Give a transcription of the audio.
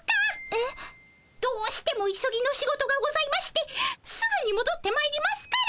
えっ？どうしても急ぎの仕事がございましてすぐにもどってまいりますから。